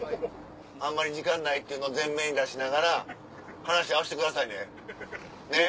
あんまり時間ないっていうの前面に出しながら話合わしてくださいねねっ。